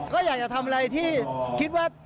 ก็อยากจะทำอะไรที่คิดว่า